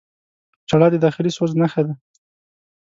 • ژړا د داخلي سوز نښه ده.